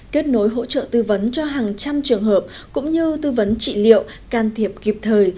kết nối hỗ trợ tư vấn cho hàng trăm trường hợp cũng như tư vấn trị liệu can thiệp kịp thời